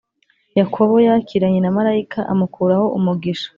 yakobo yakiranye na marayika amukuraho umugisha